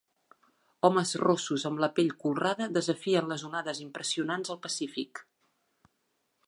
Homes rossos amb la pell colrada desafien les onades impressionants del Pacífic.